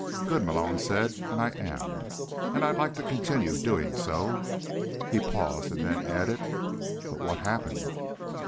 "Good," Malone said. "And I am. And I'd like to continue doing so." He paused and then added, "But what happened?"